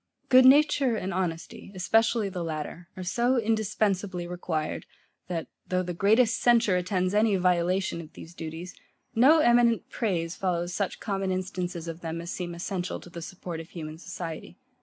Good nature and honesty, especially the latter, are so indispensably required, that, though the greatest censure attends any violation of these duties, no eminent praise follows such common instances of them, as seem essential to the support of human society.